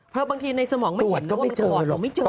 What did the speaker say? เพราะบางทีในสมองไม่ตรวจก็ไม่เจอหรอก